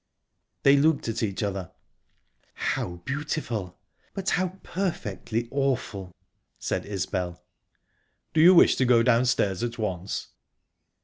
They looked at each other. "How beautiful!...but how perfectly awful!" said Isbel. "Do you wish to go downstairs at once?"